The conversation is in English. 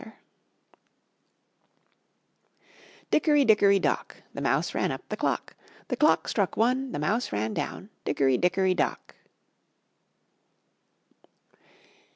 Dickery, dickery, dock, The mouse ran up the clock; The clock struck one, The mouse ran down, Dickery, dickery, dock.